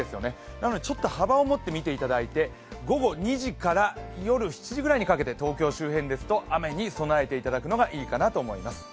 なのでちょっと幅を持って見ていただいて、午後２時から夜７時ぐらいにかけて東京周辺ですと雨に備えてもらえたらいいかなと思います。